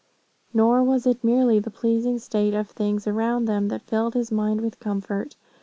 "Nor was it merely the pleasing state of things around him that filled his mind with comfort.